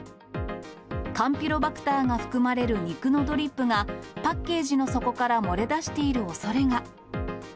カンピロバクターが含まれる肉のドリップが、パッケージの底から漏れ出しているおそれが。